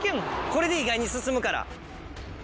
これで意外に進むから。